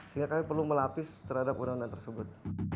sehingga kami perlu melapis terhadap undang undang tersebut